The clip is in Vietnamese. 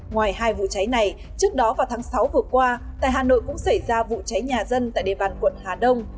ngoài hai vụ cháy này trước đó vào tháng sáu vừa qua tại hà nội cũng xảy ra vụ cháy nhà dân tại địa bàn quận hà đông